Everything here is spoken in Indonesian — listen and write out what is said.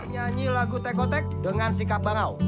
penyanyi lagu tekotek dengan sikap barau